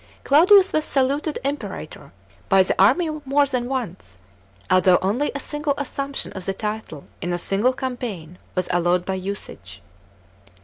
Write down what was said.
Claudius was saluted Imperator by the army more than once, although only a single assumption of the title in a single campaign was allowed by usage.